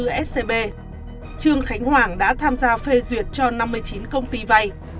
scb trương khánh hoàng đã tham gia phê duyệt cho năm mươi chín công ty vay